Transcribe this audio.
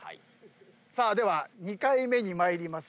さあでは２回目に参ります。